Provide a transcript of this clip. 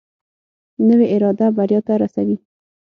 نوې اراده بریا ته رسوي